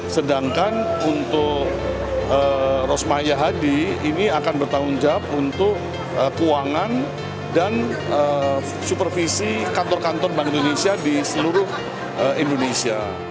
sedangkan untuk rosma ya hadi ini akan bertanggung jawab untuk keuangan dan supervisi kantor kantor bank indonesia di seluruh indonesia